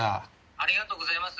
ありがとうございます。